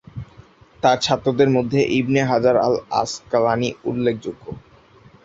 তার ছাত্রদের মধ্যে ইবনে হাজার আল-আসক্বালানি উল্লেখযোগ্য।